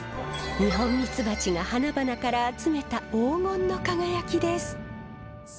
二ホンミツバチが花々から集めた黄金の輝きです。